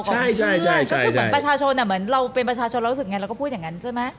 เพื่อนประชาชนเพื่อนประชาสนละเราก็พูดอย่างนั้น